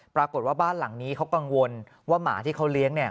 ปรากฏว่าบ้านหลังนี้เขากังวลว่าหมาที่เขาเลี้ยงเนี่ย